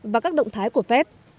và các động thái của fed